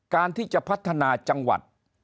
การที่จะพัฒนาจังหวัด